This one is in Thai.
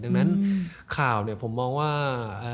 ดังนั้นข่าวผมมองว่า